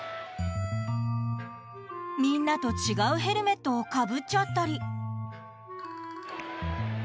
みんなと違うヘルメットをかぶっちゃったり。